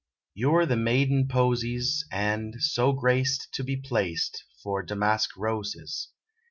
You're the maiden posies, And, so graced, To be placed 'Fore damask roses.